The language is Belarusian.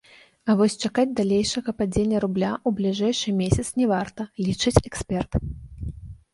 А вось чакаць далейшага падзення рубля ў бліжэйшы месяц не варта, лічыць эксперт.